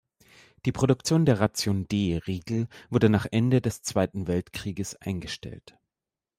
Die Produktion der "Ration D"-Riegel wurde nach dem Ende des Zweiten Weltkriegs eingestellt.